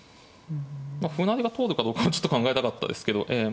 まあ歩成りが通るかどうかもちょっと考えたかったですけどええ